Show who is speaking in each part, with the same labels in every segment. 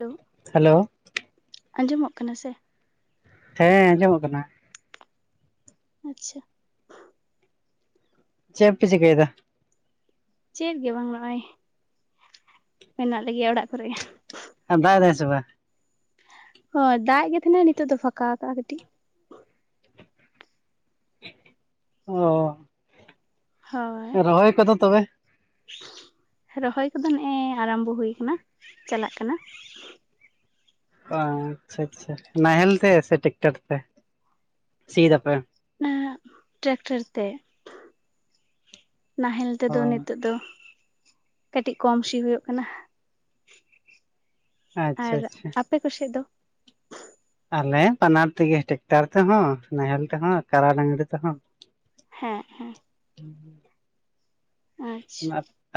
Speaker 1: Hello.
Speaker 2: Hello.
Speaker 1: ᱟᱸᱡᱚᱢᱚᱜ ᱠᱟᱱᱟ ᱥᱮ?
Speaker 2: ᱦᱮᱸ ᱟᱡᱚᱢᱚᱜ ᱠᱟᱱᱟ᱾
Speaker 1: ᱟᱪᱪᱷᱟ᱾
Speaker 2: ᱪᱮᱜ ᱯᱮ ᱪᱤᱠᱟᱹᱭᱫᱟ?
Speaker 1: ᱪᱮᱫ ᱜᱮ ᱵᱟᱝ ᱱᱚᱜᱼᱚᱭ, ᱢᱮᱱᱟᱜ ᱞᱮᱜᱮᱭᱟ ᱚᱲᱟᱜ ᱠᱚᱨᱮ᱾
Speaker 2: ᱟᱨ ᱫᱟᱜ ᱮᱫᱟᱭ ᱥᱮ ᱵᱟᱝ?
Speaker 1: ᱦᱚᱭ ᱫᱟᱜ ᱜᱮ ᱛᱟᱦᱮᱸᱱᱟᱭ ᱱᱤᱛᱚᱜ ᱫᱚ ᱯᱷᱟᱸᱠᱟ ᱟᱠᱟᱜ-ᱟᱭ ᱠᱟᱹᱴᱤᱡ᱾
Speaker 2: ᱚᱻ᱾
Speaker 1: ᱦᱳᱭ
Speaker 2: ᱨᱚᱦᱚᱭ ᱠᱚᱫᱚ ᱛᱚᱵᱮ?
Speaker 1: ᱨᱚᱦᱚᱭ ᱠᱚᱫᱚ ᱱᱮᱜᱼᱮ ᱟᱨᱟᱢᱵᱚ ᱦᱩᱭ ᱠᱟᱱᱟ, ᱪᱟᱞᱟᱜ ᱠᱟᱱᱟ᱾
Speaker 2: ᱚ ᱟᱪᱪᱷᱟ ᱟᱪᱪᱷᱟ, ᱱᱟᱦᱮᱞ ᱛᱮ ᱥᱮ ᱴᱮᱠᱴᱟᱨ ᱛᱮ, ᱥᱤᱫ ᱮᱫᱟ ᱯᱮ?
Speaker 1: ᱱᱟᱦᱟᱜ ᱴᱨᱟᱠᱴᱟᱨ ᱛᱮ᱾ ᱱᱟᱦᱮᱞ
Speaker 2: ᱚ
Speaker 1: ᱛᱮᱫᱚ ᱱᱮᱛᱚᱜ ᱫᱚ, ᱠᱟᱹᱴᱤᱡ ᱠᱚᱢ ᱥᱤ ᱦᱩᱭᱩᱜ ᱠᱟᱱᱟ᱾
Speaker 2: ᱟᱪᱪᱷᱟ
Speaker 1: ᱟᱨ
Speaker 2: ᱟᱪᱪᱷᱟ᱾
Speaker 1: ᱟᱯᱮ ᱠᱚ ᱥᱮᱫ ᱫᱚ?
Speaker 2: ᱟᱞᱮ ᱵᱟᱱᱟᱨ ᱛᱮᱜᱮ ᱴᱮᱠᱴᱟᱨ ᱛᱮᱦᱚᱸ, ᱱᱟᱦᱮᱞ ᱛᱮᱦᱚᱸ, ᱠᱟᱲᱟ ᱰᱟᱝᱨᱤ ᱛᱮᱦᱚᱸ᱾
Speaker 1: ᱦᱮᱸ ᱦᱮᱸ᱾ ᱟᱪᱪᱷᱟ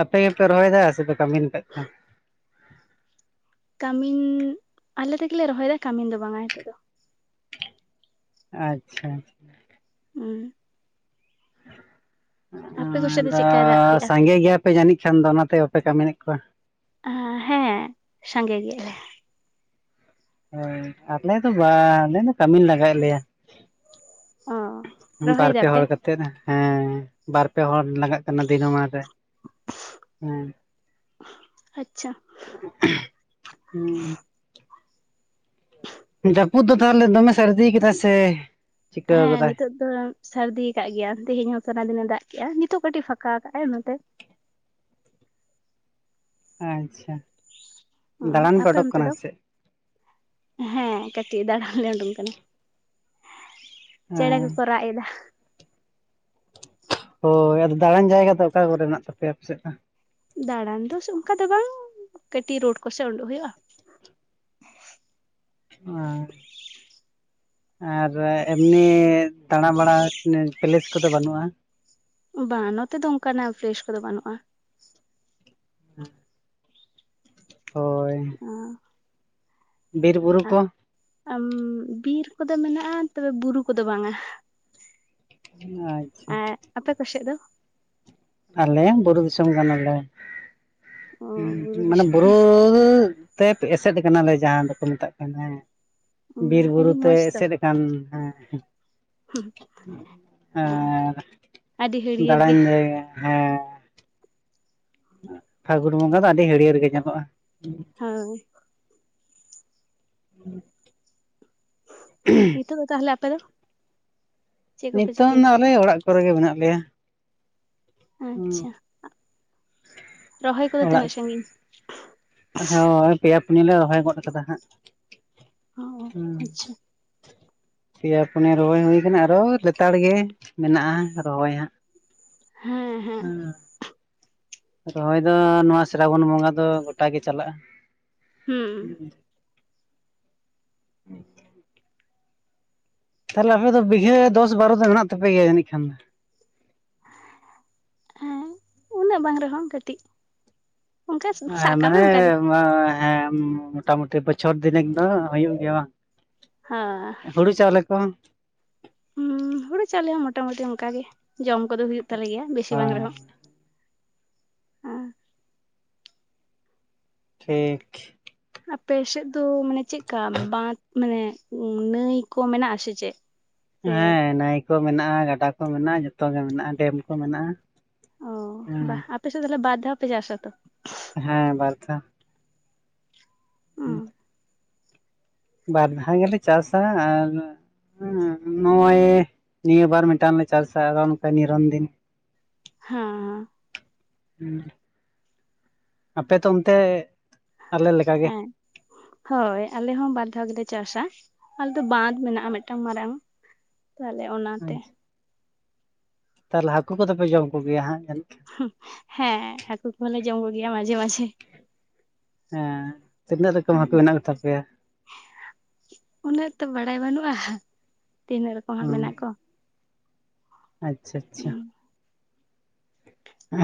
Speaker 2: ᱟᱯᱮ ᱜᱮᱯᱮ ᱨᱚᱦᱚᱭᱮᱫᱟ ᱥᱮᱯᱮ ᱠᱟᱢᱤᱱ ᱠᱟᱜ ᱠᱷᱟᱱ?
Speaker 1: ᱠᱟᱢᱤᱱ, ᱟᱞᱮ ᱛᱮᱜᱮᱞᱮ ᱨᱚᱦᱚᱭᱮᱫᱟ ᱠᱟᱢᱤᱱ ᱫᱚ ᱵᱟᱝᱟ ᱦᱤᱛᱚᱜ ᱫᱚ᱾
Speaker 2: ᱟᱪᱪᱷᱟ᱾
Speaker 1: ᱦᱩᱸ, ᱟᱯᱮ ᱠᱚᱥᱮᱫ ᱫᱚ
Speaker 2: ᱟᱫᱚ
Speaker 1: ᱪᱮᱫᱠᱟᱭ ᱫᱟᱜ ᱠᱮᱜᱼᱟ
Speaker 2: ᱥᱟᱸᱜᱮ ᱜᱮᱭᱟ ᱯᱮ ᱡᱟᱹᱱᱤᱡ ᱠᱷᱟᱱ ᱫᱚ ᱚᱱᱟᱛᱮ ᱵᱟᱯᱮ ᱠᱟᱢᱤᱱ ᱮᱫ ᱠᱚᱣᱟ?
Speaker 1: ᱟ ᱦᱮᱸ ᱥᱟᱸᱜᱮ ᱜᱮᱭᱟᱞᱮ,
Speaker 2: ᱟᱞᱮ ᱫᱚ ᱵᱟᱝ ᱟᱞᱮ ᱫᱚ ᱠᱟᱹᱢᱤᱱ ᱞᱟᱜᱟᱣ ᱟᱞᱮᱭᱟ,
Speaker 1: ᱚ ᱨᱚᱦᱚᱭ
Speaker 2: ᱵᱟᱨ ᱯᱮ
Speaker 1: ᱫᱟᱯᱮ
Speaker 2: ᱦᱚᱲ ᱠᱟᱛᱮ ᱦᱮᱸ ᱵᱟᱨ ᱯᱮ ᱦᱚᱲ ᱞᱟᱜᱟ ᱫᱤᱱᱚ ᱢᱟᱱ ᱨᱮ ᱦᱮᱸ,
Speaker 1: ᱟᱪᱪᱷᱟ᱾
Speaker 2: ᱦᱮᱸ ᱡᱟᱹᱯᱩᱫ ᱫᱚ ᱛᱟᱦᱚᱞᱮ ᱫᱚᱢᱮ ᱥᱟᱨᱫᱤ ᱟᱠᱟᱫᱟᱭ ᱥᱮ ᱪᱤᱠᱟᱹ
Speaker 1: ᱦᱮᱸ
Speaker 2: ᱠᱟᱫᱟᱭ
Speaker 1: ᱱᱤᱛᱚᱜ ᱥᱟᱹᱨᱫᱤ ᱟᱠᱟᱫ ᱜᱮᱭᱮᱭ ᱛᱮᱦᱮᱧ ᱦᱚᱸ ᱥᱟᱨᱟ ᱫᱤᱱ ᱮ ᱫᱟᱜ ᱠᱮᱜᱟ ᱱᱤᱛᱚᱜ ᱠᱟᱴᱤᱡ ᱯᱷᱟᱸᱠᱟ ᱟᱠᱟ ᱟᱭ ᱚᱱᱟᱛᱮ,
Speaker 2: ᱟᱪᱪᱷᱟ
Speaker 1: ᱦᱚᱸ
Speaker 2: ᱫᱟᱲᱟᱱ ᱯᱮ
Speaker 1: ᱟᱯᱮ
Speaker 2: ᱩᱰᱩᱠ
Speaker 1: ᱚᱱᱛᱮ
Speaker 2: ᱠᱟᱱᱟ
Speaker 1: ᱫᱚ
Speaker 2: ᱥᱮ ᱪᱮᱫ?
Speaker 1: ᱦᱮᱸ ᱠᱟᱹᱴᱤᱡ ᱫᱟᱬᱟᱱ ᱞᱮ ᱩᱰᱩᱝ ᱠᱟᱱᱟ ᱪᱮᱬᱮ
Speaker 2: ᱦᱮᱸ
Speaker 1: ᱠᱚᱠᱚ ᱨᱟᱜ ᱮᱫᱟ,
Speaker 2: ᱦᱳᱭ ᱟᱫᱚ ᱫᱟᱬᱟᱱ ᱡᱟᱭᱜᱟ ᱫᱚ ᱚᱠᱟ ᱠᱚᱨᱮ ᱢᱮᱱᱟᱜ ᱛᱟᱯᱮᱭᱟ ᱟᱯᱮ ᱥᱮᱫ ᱫᱚ?
Speaker 1: ᱫᱟᱬᱟᱱ ᱫᱚ ᱚᱱᱠᱟ ᱫᱚ ᱵᱟᱝ ᱠᱟᱹᱴᱤᱡ ᱨᱳᱰ ᱠᱚᱥᱮᱫ ᱩᱰᱩᱜ ᱦᱩᱭᱩᱜ-ᱟ᱾
Speaker 2: [unintelligible] ᱟᱨ ᱮᱢᱱᱤ ᱫᱟᱬᱟ ᱵᱟᱲᱟ ᱯᱮᱞᱮᱥ ᱠᱚᱫᱚ ᱵᱟᱹᱱᱩᱜ-ᱟ᱾
Speaker 1: ᱵᱟᱝ ᱱᱚᱛᱮ ᱫᱚ ᱚᱱᱠᱟᱱᱟᱜ ᱯᱮᱞᱮᱥ ᱠᱚᱫᱚ ᱵᱟᱹᱱᱩᱜ-ᱟ᱾
Speaker 2: [unintelligible] ᱦᱳᱭ ᱾
Speaker 1: [inaudible]
Speaker 2: ᱵᱤᱨ ᱵᱩᱨᱩ ᱠᱚ-
Speaker 1: ᱵᱤᱨ ᱠᱚᱫᱚ ᱢᱮᱱᱟᱜ-ᱟ ᱛᱚᱵᱮ ᱵᱩᱨᱩ ᱠᱚᱫᱚ ᱵᱟᱝᱟ᱾
Speaker 2: ᱟᱪᱪᱷᱟ᱾
Speaker 1: ᱟᱨ ᱟᱯᱮ ᱠᱚᱥᱮᱫ ᱫᱚ?
Speaker 2: ᱟᱞᱮ ᱵᱩᱨᱩ ᱫᱤᱥᱚᱢ ᱠᱟᱱᱟᱞᱮ
Speaker 1: ᱚ
Speaker 2: ᱢᱟᱱᱮ
Speaker 1: ᱫᱤᱥᱚᱢ
Speaker 2: ᱵᱩᱨᱩ ᱛᱮᱯ ᱮᱥᱮᱫ ᱠᱟᱱᱟᱞᱮ ᱡᱟᱦᱟᱸ ᱫᱚᱠᱚ ᱢᱮᱛᱟᱜ ᱠᱟᱱᱟ
Speaker 1: ᱵᱟ
Speaker 2: ᱵᱤᱨ ᱵᱩᱨᱩ
Speaker 1: ᱟᱹᱰᱤ
Speaker 2: ᱛᱮ
Speaker 1: ᱢᱚᱸᱡᱽ ᱛᱚ
Speaker 2: ᱮᱥᱮᱫ [unintelligible]
Speaker 1: ᱟᱹᱰᱤ ᱦᱟᱹᱨᱭᱟᱹᱲ ᱜᱮ
Speaker 2: [inaudible] ᱯᱷᱟᱹᱜᱩᱱ ᱵᱚᱸᱜᱟ ᱫᱚ ᱟᱹᱰᱤ ᱦᱟᱹᱲᱭᱟᱹᱲ ᱜᱮ ᱧᱮᱞᱚᱜ-ᱟ᱾
Speaker 1: ᱦᱚᱭ᱾
Speaker 2: [unintelligible]
Speaker 1: ᱱᱤᱛᱚᱜ ᱫᱚ ᱛᱟᱦᱚᱞᱮ ᱟᱯᱮ ᱫᱚ? ᱪᱮᱫ ᱠᱚᱯᱮ
Speaker 2: ᱱᱤᱛᱚᱝ ᱫᱚ
Speaker 1: ᱪᱤᱠᱟᱹᱭᱮᱫᱟ
Speaker 2: ᱟᱞᱮ ᱚᱲᱟᱜ ᱠᱚᱨᱮ ᱜᱮ ᱢᱮᱱᱟᱜ ᱞᱮᱭᱟ ᱾
Speaker 1: ᱟᱪᱪᱷᱟ ᱟᱸᱜ
Speaker 2: ᱚᱲᱟᱜ ᱦᱳᱭ ᱯᱮᱭᱟ ᱯᱩᱱᱤᱭᱟᱹ ᱞᱮ ᱨᱚᱦᱚᱭ ᱜᱚᱫ ᱟᱠᱟᱫᱟ ᱦᱟᱸᱜ ᱾
Speaker 1: ᱚ ᱚ ᱟᱪᱪᱷᱟ᱾
Speaker 2: [unintelligible] ᱯᱮᱭᱟ ᱯᱩᱱᱭᱟ ᱨᱚᱦᱚᱭ ᱦᱩᱭ ᱟᱠᱟᱱᱟ ᱟᱨᱚ ᱞᱮᱛᱟᱲ ᱜᱮ ᱢᱮᱱᱟᱜ-ᱟ ᱨᱚᱦᱚᱭ ᱦᱟᱸᱜ᱾
Speaker 1: ᱦᱮᱸ ᱦᱮᱸ᱾
Speaker 2: ᱨᱚᱦᱚᱭ ᱫᱚ ᱱᱚᱣᱟ ᱥᱨᱟᱵᱚᱱ ᱵᱚᱸᱜᱟ ᱫᱚ ᱜᱚᱴᱟ ᱜᱮ ᱪᱟᱞᱟᱜ-ᱟ᱾
Speaker 1: ᱦᱩᱸ
Speaker 2: [unintelligible] [unintelligible] ᱛᱟᱦᱚᱞᱮ ᱟᱯᱮ ᱫᱚ ᱵᱤᱜᱷᱟᱹ ᱫᱚᱥ ᱵᱟᱨᱚ ᱫᱚ ᱢᱮᱱᱟᱜ ᱛᱟᱯᱮ ᱜᱮᱭᱟ ᱡᱟᱹᱱᱤᱡ ᱠᱷᱟᱱ ᱫᱚ?
Speaker 1: ᱦᱮᱸ ᱩᱱᱟᱹᱜ ᱵᱟᱝ ᱨᱮᱦᱚᱸ ᱠᱟᱹᱴᱤᱡ ᱾
Speaker 2: ᱦᱮᱸ ᱢᱟᱱᱮ ᱮ ᱵᱟ ᱦᱮᱸ ᱢᱚᱴᱟᱢᱩᱴᱤ ᱵᱚᱪᱷᱚᱨ ᱫᱤᱱᱮᱠ ᱫᱚ ᱦᱩᱭᱩᱜ ᱜᱮᱭᱟ ᱵᱟᱝ?
Speaker 1: ᱦᱮᱸ
Speaker 2: ᱦᱩᱲᱩ ᱪᱟᱣᱞᱮ ᱠᱚᱦᱚᱸᱼᱼ
Speaker 1: ᱦᱩᱸ, ᱦᱩᱲᱩ ᱪᱟᱣᱞᱮ ᱦᱚᱸ ᱢᱚᱴᱟᱢᱩᱴᱤ ᱚᱱᱠᱟ ᱜᱮ, ᱡᱚᱢ ᱠᱚᱫᱚ ᱦᱩᱭᱩᱜ ᱛᱟᱞᱮ ᱜᱮᱭᱟ ᱵᱮᱥᱤ ᱵᱟᱝ
Speaker 2: ᱦᱳᱭ
Speaker 1: ᱨᱮᱦᱚᱸ ᱾
Speaker 2: ᱴᱷᱤᱠᱷ ᱾
Speaker 1: ᱟᱯᱮ ᱥᱮᱫ ᱫᱚ ᱢᱟᱱᱮ ᱪᱮᱫᱠᱟ ᱵᱟᱸᱫᱽ ᱢᱟᱱᱮ ᱱᱟᱹᱭ ᱠᱚ ᱢᱮᱱᱟᱜᱼᱟ ᱥᱮ ᱪᱮᱫ? ᱥᱮ
Speaker 2: ᱦᱮᱸ, ᱱᱟᱹᱭ ᱠᱚ ᱢᱮᱱᱟᱜᱼᱟ ᱜᱟᱰᱟ ᱠᱚ ᱢᱮᱱᱟᱜᱼᱟ ᱡᱚᱛᱚ ᱜᱮ ᱢᱮᱱᱟᱜᱼᱟ ᱰᱮᱢ ᱠᱚ ᱢᱮᱱᱟᱜᱼᱟ ᱾
Speaker 1: ᱚ ᱵᱟᱦ ᱟᱯᱮ ᱥᱮᱫ ᱫᱚ ᱛᱟᱦᱚᱞᱮ ᱵᱟᱨ ᱫᱷᱟᱣ ᱯᱮ ᱪᱟᱥᱟ ᱛᱚ?
Speaker 2: ᱦᱮᱸ ᱵᱟᱨ ᱫᱷᱟᱣ ᱾ ᱦᱩᱸ ᱾ ᱵᱟᱨ ᱫᱷᱟᱣ ᱜᱮᱞᱮ ᱪᱟᱥᱟ ᱟᱨ ᱮᱸ ᱱᱚᱜᱼᱚᱭ ᱱᱤᱭᱟᱹ ᱵᱟᱨ ᱢᱤᱫᱴᱟᱝ ᱞᱮ ᱪᱟᱥᱟ ᱟᱨᱚ ᱱᱚᱝᱠᱟ ᱱᱤᱨᱚᱱ ᱫᱤᱱ ᱾
Speaker 1: ᱦᱩᱸ᱾
Speaker 2: ᱩᱸ ᱾ ᱟᱯᱮ ᱛᱚ ᱚᱱᱛᱮ ᱟᱞᱮ ᱞᱮᱠᱟ ᱜᱮ ᱾
Speaker 1: ᱦᱮᱸ ᱦᱳᱭ ᱟᱞᱮ ᱦᱚᱸ ᱵᱟᱨ ᱫᱷᱟᱣ ᱜᱮᱞᱮ ᱪᱟᱥᱟ ᱾ ᱟᱞᱮ ᱫᱚ ᱵᱟᱸᱫᱽ ᱢᱮᱱᱟᱜᱼᱟ ᱢᱤᱫᱴᱟᱝ ᱢᱟᱨᱟᱝ, ᱛᱟᱦᱚᱞᱮ ᱚᱱᱟᱛᱮ ᱾
Speaker 2: ᱛᱟᱦᱚᱞᱮ ᱦᱟᱹᱠᱩ ᱠᱚᱫᱚ ᱯᱮ ᱡᱚᱢ ᱠᱚᱜᱮᱭᱟ ᱦᱟᱸᱜ ᱡᱟᱹᱱᱤᱡ?
Speaker 1: ᱦᱮᱸ ᱦᱟᱹᱠᱩ ᱠᱚᱸᱦᱚᱞᱮ ᱡᱚᱢ ᱠᱚᱜᱮᱭᱟ ᱢᱟᱡᱷᱮ ᱢᱟᱡᱷᱮ ᱾
Speaker 2: ᱦᱮᱸ, ᱛᱤᱱᱟᱹᱜ ᱨᱚᱠᱚᱢ
Speaker 1: ᱦᱮᱸ
Speaker 2: ᱦᱟᱹᱠᱩ ᱢᱮᱱᱟᱜ ᱠᱚ ᱛᱟᱯᱮᱭᱟ?
Speaker 1: ᱩᱱᱟᱹᱜ ᱛᱚ ᱵᱟᱲᱟᱭ ᱵᱟᱹᱱᱩᱜᱼᱟ, ᱛᱤᱱᱟᱹᱜ ᱨᱚᱠᱚᱢ ᱦᱟᱸᱜ
Speaker 2: ᱦᱩᱸ
Speaker 1: ᱢᱮᱱᱟᱜ ᱠᱚᱣᱟ ᱾
Speaker 2: ᱟᱪᱪᱷᱟ ᱟᱪᱪᱷᱟ ᱾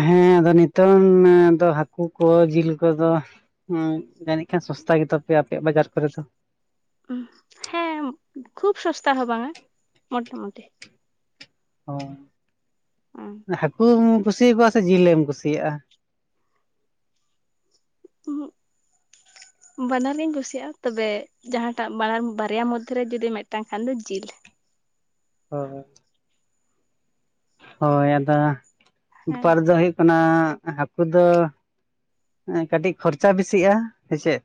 Speaker 2: ᱦᱮᱸ, ᱟᱫᱚ ᱱᱤᱛᱚᱝ ᱫᱚ ᱦᱟᱹᱠᱩ ᱠᱚ ᱡᱤᱞ ᱠᱚᱫᱚ ᱩᱸ ᱡᱟᱹᱱᱤᱡ ᱠᱷᱟᱱ ᱥᱚᱥᱛᱟ ᱜᱮ ᱛᱟᱯᱮᱭᱟ ᱟᱯᱮᱭᱟᱜ ᱵᱟᱡᱟᱨ ᱠᱚᱨᱮ ᱫᱚ ᱾
Speaker 1: ᱩᱸ ᱦᱮᱸ, ᱠᱷᱩᱵ ᱥᱚᱥᱛᱟ ᱦᱚᱸ ᱵᱟᱝᱟ ᱢᱚᱴᱟᱢᱩᱴᱤ ᱾
Speaker 2: ᱚᱸ
Speaker 1: ᱩᱸ ᱾
Speaker 2: ᱦᱟᱹᱠᱩᱢ ᱠᱩᱥᱤᱭᱟᱠᱚᱣᱟ ᱥᱮ ᱡᱤᱞᱮᱢ ᱠᱩᱥᱤᱭᱟᱜᱼᱟ?
Speaker 1: ᱵᱟᱱᱟᱨᱜᱤᱧ ᱠᱩᱥᱤᱭᱟᱜᱼᱟ, ᱛᱚᱵᱮ ᱡᱟᱦᱟᱸᱴᱟᱜ ᱵᱟᱱᱟᱨ ᱵᱟᱨᱭᱟ ᱢᱚᱫᱽᱫᱷᱮ ᱨᱮ ᱡᱩᱫᱤ ᱢᱤᱫᱴᱟᱝ ᱠᱷᱟᱱ ᱫᱚ ᱡᱤᱞ ᱾
Speaker 2: ᱚ ᱚ [unintelligible] ᱦᱚᱭ ᱟᱫᱚ ᱦᱟᱸᱜ
Speaker 1: ᱦᱮᱸ
Speaker 2: ᱵᱮᱯᱟᱨ ᱫᱚ ᱦᱩᱭᱩᱜ ᱠᱟᱱᱟ ᱦᱟᱹᱠᱩ ᱫᱚ ᱮᱸ ᱠᱟᱹᱴᱤᱡ ᱠᱷᱚᱨᱪᱟ ᱵᱮᱥᱤᱜᱼᱟ ᱥᱮ ᱪᱮᱫ?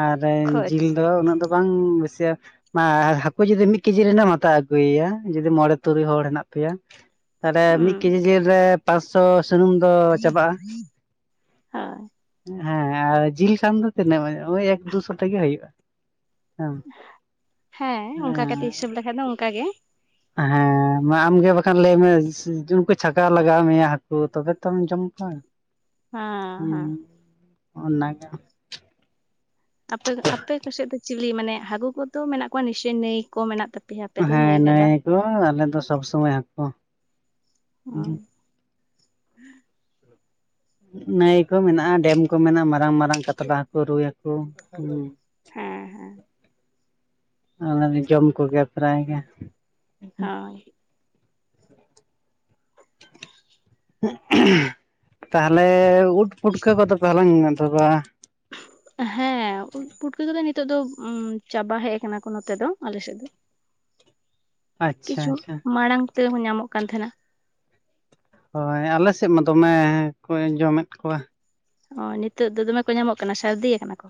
Speaker 2: ᱟᱨ ᱨᱮ
Speaker 1: ᱠᱷᱚᱡ
Speaker 2: ᱡᱤᱞ ᱫᱚ ᱩᱱᱟᱹᱜ ᱫᱚ ᱵᱟᱝ ᱵᱮᱥᱤᱼᱟ ᱦᱟᱹᱠᱩ ᱡᱩᱫᱤ ᱢᱤᱫ ᱠᱮᱡᱤ ᱨᱮᱱᱮᱢ ᱦᱟᱛᱟᱣ ᱟᱹᱜᱩᱭᱮᱭᱟ, ᱡᱩᱫᱤ ᱢᱚᱬᱮ ᱛᱩᱨᱩᱭ ᱦᱚᱲ ᱢᱮᱱᱟᱜ ᱯᱮᱭᱟ ᱛᱟᱦᱚᱞᱮ ᱢᱤᱫ
Speaker 1: ᱦᱩᱸ
Speaker 2: ᱠᱮᱡᱤ ᱡᱤᱞ ᱨᱮ ᱯᱟᱸᱪᱥᱚ ᱥᱩᱱᱩᱢᱼᱼ
Speaker 1: ᱟ [unintelligible]
Speaker 2: ᱦᱮᱸ ᱟᱨ ᱡᱤᱞ ᱠᱷᱟᱱ ᱫᱚ ᱛᱤᱱᱟᱹᱜ ᱚᱭ ᱮᱠ ᱫᱩᱥᱚ ᱛᱮᱜᱮ ᱦᱩᱭᱩᱜᱼᱟ ᱾
Speaker 1: ᱦᱮᱸ ᱚᱱᱠᱟ ᱠᱟᱛᱮ ᱦᱤᱥᱟᱹᱵ ᱞᱮᱠᱷᱟᱡ ᱫᱚ ᱚᱱᱠᱟ ᱜᱮ ᱾
Speaker 2: ᱦᱮᱸ ᱾ ᱮᱸ ᱟᱢᱜᱮ ᱵᱟᱠᱷᱟᱱ ᱞᱟᱹᱭ ᱢᱮ ᱩᱱᱠᱩ ᱪᱷᱟᱠᱟᱣ ᱞᱟᱜᱟᱣ ᱢᱮᱭᱟ ᱦᱟᱹᱠᱩ ᱛᱚᱵᱮ ᱛᱚᱢ ᱡᱚᱢ ᱠᱚᱣᱟ ᱾
Speaker 1: ᱦᱮᱸ
Speaker 2: ᱦᱩᱸ
Speaker 1: ᱦᱮᱸ
Speaker 2: ᱚᱱᱟ ᱜᱮ ᱾
Speaker 1: ᱟᱯᱮ ᱟᱯᱮ ᱠᱚ ᱥᱮᱡ ᱫᱚ ᱪᱤᱞᱤ ᱢᱟᱱᱮ ᱦᱟᱹᱜᱩ ᱠᱚᱫᱚ ᱢᱮᱱᱟᱜ ᱠᱚᱣᱟ ᱱᱤᱥᱪᱚᱭ ᱱᱟᱹᱭ ᱠᱚ ᱢᱮᱱᱟᱜ ᱛᱟᱯᱮᱼᱼ
Speaker 2: ᱦᱮᱸ ᱱᱟᱹᱭ ᱠᱚ ᱟᱞᱮ ᱫᱚ ᱥᱚᱵᱽ ᱥᱚᱢᱚᱭ ᱦᱟᱹᱠᱳ ᱾
Speaker 1: ᱦᱚᱜᱸ [unintelligible]
Speaker 2: ᱱᱟᱹᱭ ᱠᱚ ᱢᱮᱱᱟᱜᱼᱟ ᱰᱮᱢ ᱠᱚ ᱢᱮᱱᱟᱜᱼᱟ ᱢᱟᱨᱟᱝ ᱢᱟᱨᱟᱝ ᱠᱟᱛᱞᱟ ᱦᱟᱹᱠᱩ ᱨᱩᱭ ᱦᱟᱹᱠᱩ ᱾
Speaker 1: ᱦᱮᱸ ᱦᱮᱸ
Speaker 2: ᱚᱞᱮᱞᱮ ᱡᱚᱢ ᱠᱚᱜᱮᱭᱟ ᱯᱨᱟᱭ ᱜᱮ
Speaker 1: ᱦᱚᱭ
Speaker 2: ᱛᱟᱦᱚᱞᱮ ᱩᱴ ᱯᱩᱴᱠᱟᱹ ᱠᱚᱫᱚᱯᱮ ᱦᱟᱞᱟᱝ ᱮᱫᱟ ᱵᱟᱝ [inaudible]
Speaker 1: ᱦᱮᱸ ᱩᱫ ᱯᱩᱴᱠᱟᱹ ᱠᱚᱫᱚ ᱱᱤᱛᱚᱜ ᱫᱚ ᱪᱟᱵᱟ ᱦᱮᱡ ᱟᱠᱟᱱᱟ ᱠᱚ ᱱᱚᱛᱮ ᱫᱚ ᱟᱞᱮᱥᱮᱫ ᱫᱚ
Speaker 2: ᱴᱷᱤᱠ [unintelligible] [inaudible]
Speaker 1: ᱠᱤᱪᱷᱩ ᱢᱟᱲᱟᱝ ᱛᱮᱦᱚᱸ ᱧᱟᱢᱚᱜ ᱠᱟᱱ ᱛᱟᱦᱮᱱᱟ
Speaker 2: ᱦᱚᱭ ᱟᱞᱮ ᱥᱮᱫ ᱢᱟ ᱫᱚᱢᱮ ᱠᱚ ᱡᱚᱢᱮᱫ ᱠᱚᱣᱟ
Speaker 1: ᱚ ᱱᱤᱛᱳ ᱫᱚ ᱫᱚᱢᱮ ᱠᱚ ᱧᱟᱢᱚᱜ ᱠᱟᱱᱟ ᱥᱟᱹᱨᱫᱤ ᱟᱠᱟᱱᱟᱠᱚ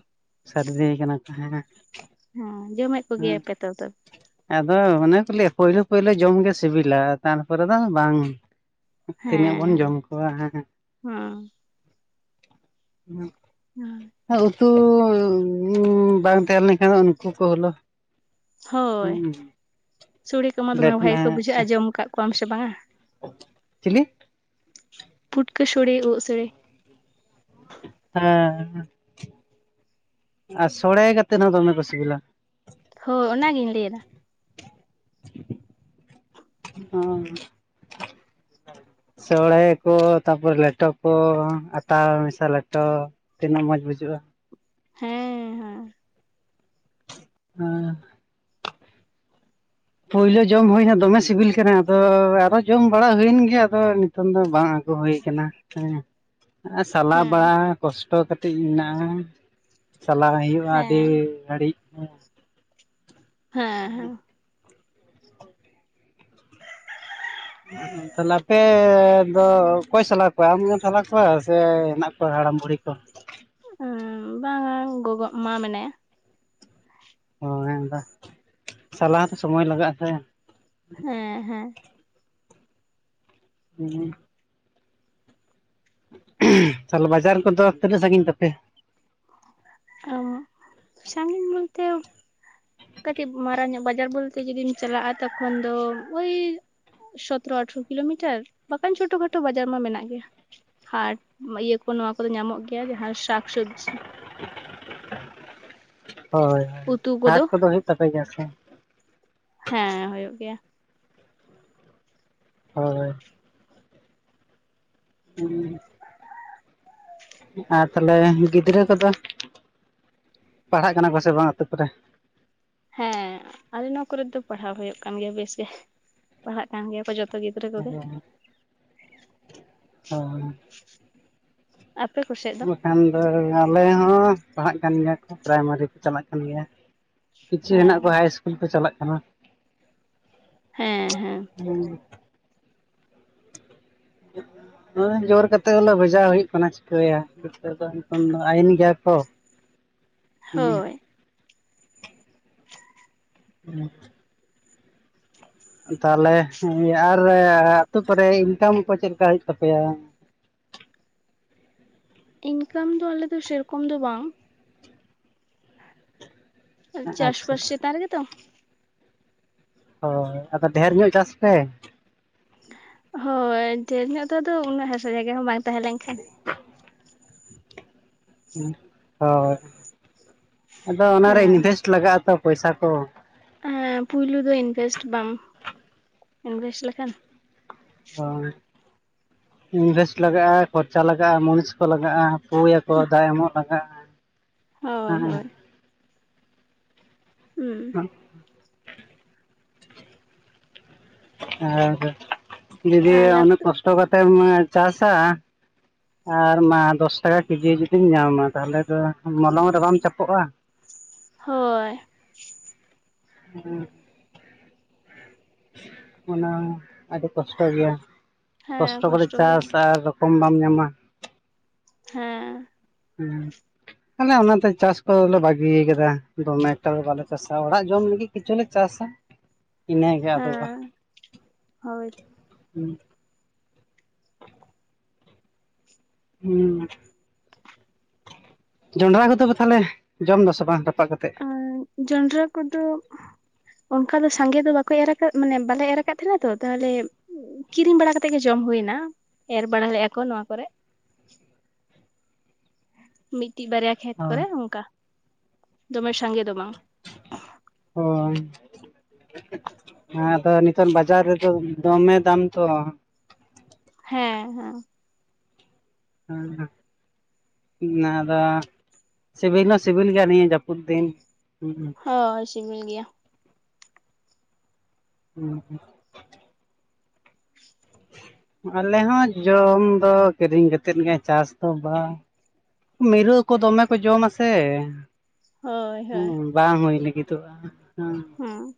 Speaker 2: ᱥᱟᱨᱤᱫᱤᱭ ᱠᱟᱱᱟ ᱠᱚ ᱦᱮᱸ
Speaker 1: ᱦᱮᱸ ᱡᱚᱢᱮᱫ
Speaker 2: ᱦᱮᱸ
Speaker 1: ᱠᱚᱜᱮᱭᱟᱯᱮ ᱛᱚ ᱛᱚᱵᱮ?
Speaker 2: ᱟᱫᱚ ᱚᱱᱮ ᱠᱚ ᱞᱟᱹᱭᱟ ᱯᱳᱭᱞᱩ ᱯᱳᱭᱞᱳ ᱡᱚᱢᱜᱮ ᱥᱤᱵᱤᱞᱟ ᱛᱟᱨᱯᱚᱨᱮ ᱫᱚ ᱵᱟᱝ ᱛᱤᱱᱟᱹᱜ ᱵᱚᱱ ᱡᱚᱢ ᱠᱚᱣᱟ ᱦᱟᱸ
Speaker 1: ᱦᱚᱸ
Speaker 2: [inaudible]
Speaker 1: [inaudible]
Speaker 2: ᱩᱛᱩ ᱵᱟᱝ ᱛᱟᱦᱮᱸ ᱞᱮᱱᱠᱷᱟᱱ ᱫᱚ ᱩᱱᱠᱩ ᱠᱚ ᱦᱚᱞᱚ
Speaker 1: ᱦᱚᱭ ᱥᱚᱲᱮ ᱠᱚᱢᱟ ᱫᱚᱢᱮ ᱵᱷᱟᱜᱮ
Speaker 2: ᱞᱮᱴᱱᱟ
Speaker 1: ᱠᱚ ᱵᱩᱡᱷᱟᱹᱜᱼᱟ ᱡᱚᱢ ᱟᱠᱟᱫ ᱠᱚᱣᱟᱢ ᱥᱮ ᱵᱟᱝᱟ
Speaker 2: ᱪᱤᱞᱤ
Speaker 1: ᱯᱷᱩᱴᱠᱟᱹ ᱥᱚᱲᱮ ᱯᱮ ᱥᱚᱲᱮ
Speaker 2: ᱦᱮᱸ ᱟᱨ ᱥᱚᱲᱮ ᱠᱟᱛᱮᱫ ᱦᱚᱸ ᱫᱚᱢᱮ ᱠᱚ ᱥᱤᱵᱤᱞᱟ
Speaker 1: ᱦᱳᱸ ᱚᱱᱟᱜᱤᱧ ᱞᱟᱹᱭ ᱮᱫᱟ
Speaker 2: [inaudible] [unintelligible] ᱥᱚᱲᱮ ᱠᱚ ᱛᱟᱯᱚᱨᱮ ᱞᱮᱴᱮ ᱠᱚ ᱟᱴᱟ ᱢᱮᱥᱟ ᱞᱮᱴᱚ ᱛᱤᱱᱟᱹᱜ ᱢᱚᱡᱽ ᱵᱩᱡᱷᱟᱹᱜᱼᱟ
Speaker 1: ᱦᱮᱸ ᱦᱮᱸ
Speaker 2: [unintelligible] [inaudible] ᱯᱳᱭᱞᱳ ᱡᱚᱢ ᱦᱩᱭᱱᱟ ᱫᱚᱢᱮ ᱥᱤᱵᱤᱞ ᱠᱟᱱᱟ ᱟᱫᱚ ᱚᱻ ᱟᱨᱚ ᱡᱚᱢ ᱵᱟᱲᱟ ᱦᱩᱭᱮᱱ ᱜᱮᱭᱟ ᱟᱫᱚ ᱮᱠᱷᱚᱱ ᱫᱚ ᱵᱟᱝ ᱟᱹᱜᱩ ᱦᱳᱭ ᱠᱟᱱᱟ ᱦᱮᱸ ᱥᱟᱞᱟ
Speaker 1: ᱦᱮᱸ
Speaker 2: ᱵᱟᱲᱟ ᱠᱚᱥᱴᱚ ᱠᱟᱹᱴᱤᱡ ᱢᱮᱱᱟᱜᱼᱟ ᱪᱟᱞᱟ ᱦᱩᱭᱩᱜᱼᱟ ᱟᱹᱰᱤ
Speaker 1: ᱦᱮᱸ
Speaker 2: ᱜᱷᱟᱹᱲᱤᱡ
Speaker 1: ᱦᱮᱸᱻᱦᱮᱸᱻ
Speaker 2: ᱛᱟᱦᱚᱞᱮ ᱟᱯᱮᱻᱻ ᱟᱫᱚ ᱚᱠᱚᱭ ᱥᱟᱞᱟ ᱠᱚᱣᱟᱭ ᱟᱢᱜᱮᱢ ᱥᱟᱞᱟ ᱠᱚᱣᱟ ᱥᱮ ᱦᱮᱱᱟᱜ ᱠᱚᱣᱟ ᱦᱟᱲᱟᱢ ᱵᱩᱲᱦᱤ ᱠᱚ
Speaker 1: ᱵᱟᱝ-ᱟ ᱜᱚᱜᱚ ᱢᱟ ᱢᱮᱱᱟᱭᱟ
Speaker 2: ᱳᱻ ᱦᱮ ᱟᱫᱚ ᱥᱟᱞᱟ ᱦᱚᱸᱛᱚ ᱥᱚᱢᱚᱭ ᱞᱟᱜᱟᱜᱼᱟ ᱥᱮ
Speaker 1: ᱦᱮᱸᱻᱦᱮᱸᱻ
Speaker 2: [unintelligible] ᱛᱟᱦᱚᱞᱮ ᱵᱟᱡᱟᱨ ᱠᱚᱫᱚ ᱛᱤᱱᱟᱹᱜ ᱥᱟᱺᱜᱤᱧ ᱛᱟᱯᱮᱭᱟ
Speaker 1: ᱚᱸ ᱥᱟᱺᱜᱤᱧ ᱵᱚᱞᱛᱮ ᱠᱟᱹᱴᱤᱡ ᱢᱟᱨᱟᱝ ᱧᱚᱜ ᱵᱟᱡᱟᱨ ᱵᱚᱞᱛᱮ ᱡᱩᱫᱤᱢ ᱪᱟᱞᱟᱜᱼᱟ ᱛᱚᱠᱷᱚᱱ ᱫᱚ ᱳᱭ ᱥᱚᱛᱨᱚ ᱟᱴᱷᱟᱨᱚ ᱠᱤᱞᱳᱢᱤᱴᱟᱨ ᱵᱟᱠᱟᱱ ᱪᱷᱳᱴᱳ ᱠᱷᱟᱴᱳ ᱵᱟᱡᱟᱨ ᱢᱟ ᱢᱮᱱᱟᱜ ᱜᱮᱭᱟ ᱦᱟᱴ ᱤᱭᱟᱹ ᱠᱚ ᱱᱚᱣᱟ ᱠᱚᱫᱚ ᱧᱟᱢᱚᱜ ᱜᱮᱭᱟ ᱡᱟᱦᱟᱸ ᱥᱟᱠᱥᱚᱵᱽᱡᱤ
Speaker 2: ᱦᱳᱭ ᱦᱳᱭ ᱦᱟᱴ ᱠᱚᱫᱚ ᱦᱩᱭᱩᱜ ᱛᱟᱯᱮ ᱜᱮᱭᱟ ᱥᱮ
Speaker 1: ᱦᱮᱸᱻ ᱦᱩᱭᱩᱜ ᱜᱮᱭᱟ᱾
Speaker 2: ᱦᱳᱭ-ᱦᱳᱭ ᱦᱩᱸ ᱟᱨ ᱛᱟᱦᱚᱞᱮ ᱜᱤᱫᱽᱨᱟᱹ ᱠᱚᱫᱚ ᱯᱟᱲᱦᱟᱜ ᱠᱟᱱᱟ ᱠᱚ ᱥᱮ ᱵᱟᱝ ᱟᱹᱛᱩ ᱠᱚᱨᱮ?
Speaker 1: ᱦᱮᱸᱻ ᱟᱞᱮ ᱱᱚᱣᱟ ᱠᱚᱨᱮ ᱫᱚ ᱯᱟᱲᱦᱟᱣ ᱦᱩᱭᱩᱜ ᱠᱟᱱ ᱜᱮᱭᱟ ᱵᱮᱥ ᱜᱮ ᱯᱟᱲᱦᱟᱜ ᱠᱟᱱ ᱜᱮᱭᱟ ᱠᱚ ᱡᱚ ᱛᱚ ᱜᱤᱫᱽᱨᱟᱹ ᱠᱚᱜᱮ
Speaker 2: ᱦᱳᱭ
Speaker 1: ᱟᱯᱮ ᱠᱚᱥᱮᱫ ᱫᱚ?
Speaker 2: ᱟᱢ ᱫᱚ ᱟᱞᱮ ᱦᱚᱸ ᱯᱟᱲᱦᱟᱜ ᱠᱟᱱ ᱜᱮᱭᱟ ᱠᱚ ᱯᱨᱟᱭᱢᱟᱨᱤ ᱠᱚ ᱪᱟᱞᱟᱜ ᱠᱟᱱ ᱜᱮᱭᱟ᱾ ᱠᱤᱪᱷᱩ ᱦᱮᱱᱟᱜ
Speaker 1: ᱦᱮᱸ
Speaker 2: ᱠᱚᱣᱟ ᱦᱟᱭ ᱤᱥᱠᱩᱞ ᱠᱚ ᱪᱟᱞᱟᱜ ᱠᱟᱱᱟ᱾
Speaker 1: ᱦᱮᱸᱻᱦᱮᱸ
Speaker 2: ᱦᱮᱸ ᱵᱟᱝ ᱟᱸᱡᱚᱢᱚᱜ ᱠᱟᱱᱟ ᱦᱳ ᱡᱳᱨ ᱠᱟᱛᱮᱫ ᱦᱚᱞᱮ ᱵᱷᱮᱡᱟᱣ ᱦᱩᱭᱩᱜ ᱠᱟᱱᱟ ᱪᱤᱠᱟᱹᱭᱟ ᱱᱤᱛᱚᱜ ᱫᱚ ᱱᱤᱛᱚᱝ ᱫᱚ ᱟᱭᱭᱤᱱ ᱜᱮᱭᱟ ᱠᱚ ᱦᱩᱸ
Speaker 1: ᱦᱳᱭ
Speaker 2: ᱦᱩᱸ ᱛᱟᱦᱚᱞᱮ ᱟᱨ ᱟᱹᱛᱩ ᱠᱚᱨᱮ ᱤᱠᱡᱟᱢ ᱠᱚ ᱪᱮᱫ ᱞᱮᱠᱟ ᱦᱩᱭᱩᱜ ᱛᱟᱯᱮᱭᱟ?
Speaker 1: ᱤᱱᱠᱟᱢ ᱫᱚ ᱟᱞᱮ ᱫᱚ ᱥᱮᱨᱚᱠᱚᱢ ᱫᱚ ᱵᱟᱝ
Speaker 2: ᱟᱪᱪᱷᱟ
Speaker 1: ᱪᱟᱥᱵᱟᱥ
Speaker 2: ᱟᱪᱪᱷᱟ
Speaker 1: ᱪᱮᱛᱟᱱ ᱨᱮᱜᱮ ᱛᱚ
Speaker 2: ᱦᱳᱭ ᱟᱫᱚ ᱰᱷᱮᱨ ᱧᱚᱜ ᱪᱟᱥ ᱯᱮ
Speaker 1: ᱦᱳᱭ ᱰᱷᱮᱨ ᱧᱚᱜ ᱫᱚ ᱟᱫᱚ ᱩᱱᱟᱹᱜ ᱦᱟᱥᱟ ᱡᱟᱭᱜᱟ ᱦᱚᱸ ᱵᱟᱝ ᱛᱟᱦᱮᱸ ᱞᱮᱱᱠᱷᱟᱱ
Speaker 2: ᱦᱳᱭ ᱟᱫᱚ ᱚᱱᱟᱨᱮ ᱤᱱᱵᱷᱮᱥᱴ ᱞᱟᱜᱟᱜ ᱟ ᱛᱚ ᱯᱚᱭᱥᱟ ᱠᱚ
Speaker 1: ᱦᱮᱸ ᱯᱩᱭᱞᱩ ᱫᱚ ᱤᱱᱵᱷᱮᱥᱴ ᱵᱟᱢ ᱤᱱᱵᱷᱮᱥᱴ ᱞᱮᱠᱷᱟᱱ
Speaker 2: ᱦᱳᱭ ᱤᱱᱵᱷᱮᱥᱴ ᱞᱟᱜᱟᱜᱼᱟ, ᱠᱷᱚᱨᱪᱟ ᱞᱟᱜᱟᱜᱼᱟ, ᱢᱩᱱᱤᱥ ᱠᱚ ᱞᱟᱜᱟᱜᱼᱟ᱾ ᱯᱩᱭᱟᱠᱚ ᱫᱟᱜ ᱮᱢᱚᱜ ᱞᱟᱜᱟᱜᱼᱟ
Speaker 1: ᱦᱳᱭ
Speaker 2: ᱦᱮᱸ
Speaker 1: ᱦᱳᱭ ᱦᱩᱸ
Speaker 2: ᱵᱟᱝ ᱟᱸᱡᱚᱢᱚᱜ ᱠᱟᱱᱟ ᱟᱹᱫᱚ ᱡᱩᱫᱤ
Speaker 1: ᱟᱨ
Speaker 2: ᱩᱱᱟᱹᱜ
Speaker 1: ᱟᱯᱮ
Speaker 2: ᱠᱚᱥᱴᱚ ᱠᱟᱛᱮᱢ ᱪᱟᱥᱟ ᱟᱨ ᱢᱟ ᱫᱚᱥ ᱴᱟᱠᱟ ᱠᱮᱡᱤ ᱡᱩᱫᱤᱢ ᱧᱟᱢᱟ ᱛᱟᱦᱚᱞᱮ ᱫᱚ ᱢᱚᱞᱚᱝ ᱨᱮ ᱵᱟᱢ ᱪᱟᱯᱚᱜᱼᱟ᱾
Speaker 1: ᱦᱳᱭ
Speaker 2: ᱵᱟᱝ ᱟᱸᱡᱚᱢᱚᱜ ᱠᱟᱱᱟ ᱚᱱᱟ ᱟᱹᱰᱤ ᱠᱚᱥᱴᱚ ᱜᱮᱭᱟ᱾
Speaker 1: ᱦᱮᱸ
Speaker 2: ᱠᱚᱥᱴᱚ ᱵᱚᱞᱮ
Speaker 1: ᱜᱮᱭᱟ
Speaker 2: ᱪᱟᱥᱟ ᱟᱨ ᱨᱚᱠᱚᱢ ᱵᱟᱢ ᱧᱟᱢᱟ
Speaker 1: ᱦᱮᱸ
Speaker 2: ᱦᱮᱸ ᱟᱞᱮ ᱚᱱᱟᱛᱮ ᱪᱟᱥ ᱠᱚᱦᱚᱞᱮ ᱵᱟᱹᱜᱤᱭᱟ ᱟᱠᱟᱫᱟ ᱫᱚᱢᱮ ᱮᱠᱴᱟ ᱫᱚ ᱵᱟᱞᱮ ᱪᱟᱥᱟ ᱚᱲᱟᱜ ᱡᱚᱢ ᱞᱟᱹᱜᱤᱫ ᱠᱤᱪᱷᱩ ᱞᱮ ᱪᱟᱥᱟ᱾ ᱤᱱᱟᱹᱜᱮ ᱟᱫᱚ ᱵᱟᱝ
Speaker 1: ᱦᱮᱸ ᱦᱳᱭ
Speaker 2: ᱦᱩᱸ ᱡᱚᱱᱰᱨᱟ ᱠᱚᱫᱚ ᱯᱮ ᱛᱟᱦᱚᱞᱮ ᱡᱚᱢ ᱫᱟᱥᱮ ᱵᱟᱝ ᱨᱟᱯᱟᱜ ᱠᱟᱛᱮᱫ?
Speaker 1: ᱟᱸ ᱡᱚᱸᱰᱟᱨᱟ ᱠᱚᱫᱚ ᱚᱱᱠᱟ ᱫᱚ ᱥᱟᱸᱜᱮ ᱫᱚ ᱵᱟᱠᱚ ᱮᱨᱟ ᱠᱟᱜ ᱢᱟᱱᱮ ᱵᱟᱞᱮ ᱮᱨᱟ ᱠᱟᱫ ᱛᱟᱦᱮᱸᱱᱟ ᱛᱚ ᱛᱟᱦᱚᱞᱮ ᱠᱤᱨᱤᱧ ᱵᱟᱲᱟ ᱠᱟᱛᱮᱜ ᱜᱮ ᱡᱚᱢ ᱦᱩᱭ ᱱᱟ ᱮᱨ ᱵᱟᱲᱟ ᱞᱮᱜᱼᱟ ᱠᱚ ᱱᱚᱣᱟ ᱠᱚᱨᱮ ᱢᱤᱫᱴᱤᱡ, ᱵᱟᱨᱭᱟ ᱠᱷᱮᱛ ᱠᱚᱨᱮ ᱚᱱᱠᱟ ᱫᱚᱢᱮ ᱥᱟᱸᱜᱮ ᱫᱚ ᱵᱟᱝ
Speaker 2: ᱦᱳᱭ ᱦᱮᱸ ᱟᱫᱚ ᱱᱤᱛᱚᱱ ᱵᱟᱡᱟᱨ ᱨᱮᱫᱚ ᱫᱚᱢᱮ ᱫᱟᱢ ᱛᱚ
Speaker 1: ᱦᱮᱸᱻᱦᱮᱸ
Speaker 2: ᱦᱩᱸ ᱦᱩᱸ᱾ ᱚᱱᱟ ᱫᱚ ᱥᱤᱵᱤᱞ ᱦᱚᱸ ᱥᱤᱵᱤᱞ ᱜᱮᱭᱟ ᱱᱤᱭᱟᱹ ᱡᱟᱹᱯᱩᱫ ᱫᱤᱱ [inaudible]
Speaker 1: ᱦᱳᱭ ᱥᱤᱵᱤᱞ ᱜᱮᱭᱟ᱾
Speaker 2: ᱦᱩᱸ ᱦᱩᱸ᱾
Speaker 1: [inaudible]
Speaker 2: ᱟᱞᱮ ᱦᱚᱸ ᱡᱚᱢ ᱫᱚ ᱠᱤᱨᱤᱧ ᱠᱟᱛᱮᱫ ᱜᱮ ᱪᱟᱥ ᱫᱚ ᱵᱟᱝ᱾ ᱢᱤᱨᱩ ᱠᱚ ᱫᱚᱢᱮ ᱠᱚ ᱡᱚᱢᱟ ᱥᱮ᱾
Speaker 1: ᱦᱳᱭ ᱦᱳᱭ
Speaker 2: ᱦᱚᱸ ᱵᱟᱝ ᱦᱩᱭ ᱞᱟᱹᱜᱤᱛᱚᱜᱼᱟ, ᱦᱮᱸ᱾
Speaker 1: ᱦᱚᱸ᱾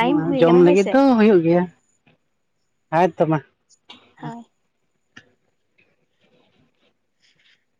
Speaker 2: ᱱᱚᱣᱟ ᱡᱚᱢ ᱞᱟᱹᱜᱤᱫ ᱫᱚ ᱦᱩᱭᱩᱜ ᱜᱮᱭᱟ᱾ ᱦᱮᱸ ᱛᱚ ᱢᱟ᱾
Speaker 1: ᱦᱳᱭ᱾ [inaudible]